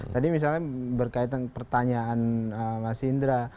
tadi misalnya berkaitan pertanyaan mas indra